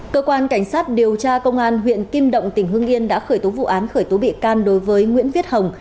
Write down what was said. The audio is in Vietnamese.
cơ quan cảnh sát điều tra công an huyện kim động tỉnh hương yên đã khởi tố vụ án khởi tố bị can đối với nguyễn viết hồng